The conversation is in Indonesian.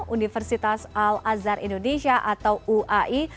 universitas al azhar indonesia atau uai